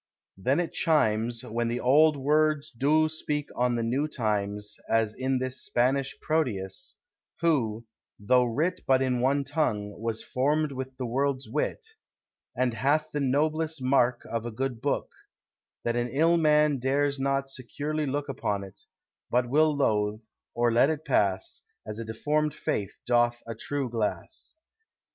Then it chimes, When the old words doe strike on the new times, As in this Spanish Proteus; who, though writ But in one tongue, was formed with the world's wit: And hath the noblest marke of a good booke, That an ill man dares not securely looke Upon it, but will loath, or let it passe, As a deformed face doth a true glasse.